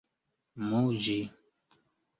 muĝi